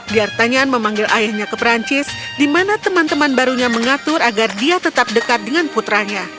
diartanyan memanggil ayahnya ke perancis di mana teman teman barunya mengatur agar dia tetap dekat dengan putranya